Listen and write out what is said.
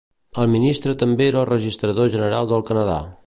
El ministre també era el registrador general del Canadà.